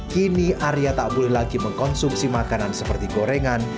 kini arya tak boleh lagi mengkonsumsi makanan seperti gorengan